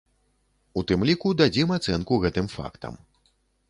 У тым ліку дадзім ацэнку гэтым фактам.